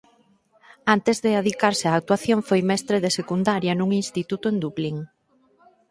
Antes de adicarse á actuación foi mestre de secundaria nun instituto en Dublín.